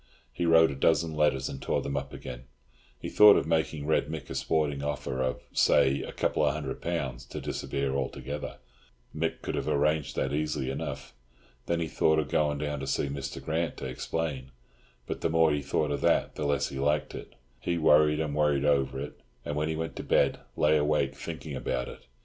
He wrote a dozen letters, and tore them up again. He thought of making Red Mick a sporting offer of, say, a couple of hundred pounds, to disappear altogether—Mick could have arranged that easily enough. Then he thought of going down to see Mr. Grant to explain; but the more he thought of that the less he liked it. He worried and worried over it, and when he went to bed lay awake thinking about it.